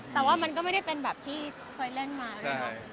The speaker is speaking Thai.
แต่ว่ามันก็ไม่ได้เป็นแบบที่เคยเล่นมาใช่ไหมครับ